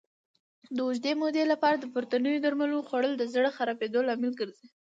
د اوږدې مودې لپاره د پورتنیو درملو خوړل د زړه خرابېدو لامل ګرځي.